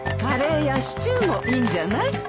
カレーやシチューもいいんじゃない？